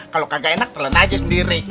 kalau kagak enak terlena aja sendiri